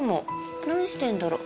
何してんだろう。